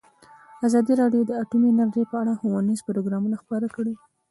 ازادي راډیو د اټومي انرژي په اړه ښوونیز پروګرامونه خپاره کړي.